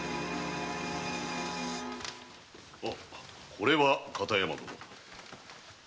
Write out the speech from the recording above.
これは片山殿。